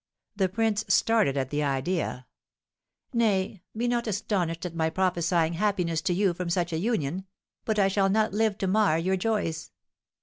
The prince started at the idea. "Nay, be not astonished at my prophesying happiness to you from such a union; but I shall not live to mar your joys."